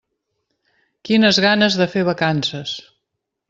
Quines ganes de fer vacances.